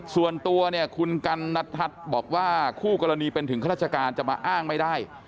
ส่วนตัวเนี่ยคุณกันนัททัศน์บอกว่าคู่กรณีเป็นถึงข้าราชการจะมาอ้างไม่ได้